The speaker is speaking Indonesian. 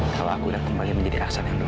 kalau aku udah kembali menjadi ahsan yang dulu